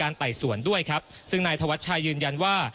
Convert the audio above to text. ไต่สวนด้วยครับซึ่งนายธวัชชายืนยันว่า